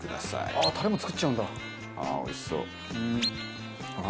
あっおいしそう。